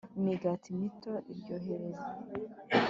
Imigati Mito Iryohereye